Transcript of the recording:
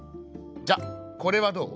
「じゃあこれはどう？